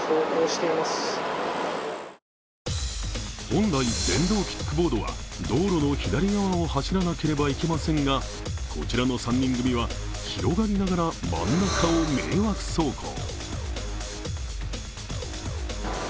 本来電動キックボードは道路の左側を走らなければいけませんがこちらの３人組は広がりながら真ん中を迷惑走行。